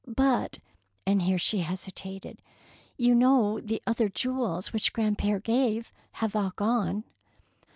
But," and here she hesitated, "you know the other jewels which grandpere gave have all gone."